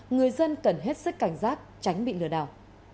người dân cần hết sức cảnh giác tránh bị lừa đảo